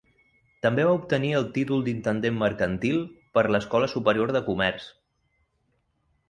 També va obtenir el títol d'Intendent Mercantil per l'Escola Superior de Comerç.